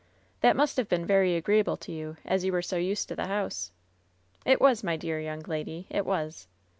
"That must have been very agreeable to you, as you were so used to the house." , "It was, my dear young lady, it was."